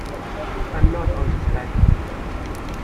I'm not on the spectrum.